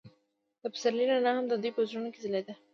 د پسرلی رڼا هم د دوی په زړونو کې ځلېده.